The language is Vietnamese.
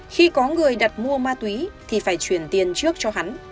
khi có người đặt mua ma túy thì phải chuyển tiền trước cho hắn